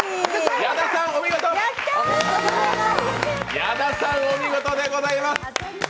矢田さん、お見事でございます。